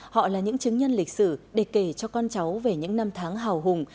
họ là những chứng nhân lịch sử để kể cho con cháu về những năm tháng hào hùng